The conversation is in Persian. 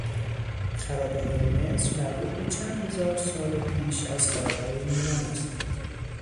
خرابههای مصر مربوط به چند هزار سال پیش از خرابههای یونان است.